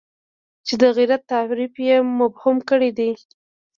چې د غیرت تعریف یې مبهم کړی دی.